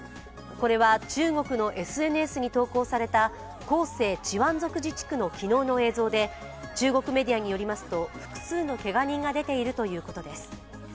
これは中国のＳＮＳに投稿された広西チワン族自治区の昨日の映像で中国メディアによりますと複数のけが人が出ているということです。